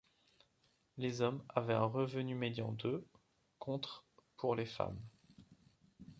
Les hommes avaient un revenu médian de contre pour les femmes.